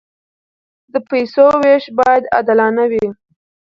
د پیسو وېش باید عادلانه وي.